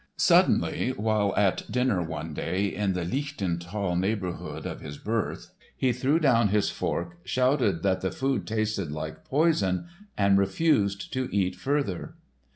Suddenly, while at dinner one day in the Lichtental neighborhood of his birth, he threw down his fork, shouted that the food tasted like poison and refused to eat further.